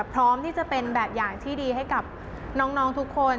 พร้อมที่จะเป็นแบบอย่างที่ดีให้กับน้องทุกคน